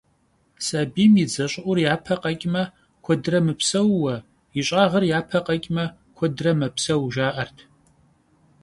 Сабийм и дзэ щӏыӏур япэ къэкӏмэ, куэдрэ мыпсэууэ, ищӏагъыр япэ къэкӏмэ, куэдрэ мэпсэу, жаӏэрт.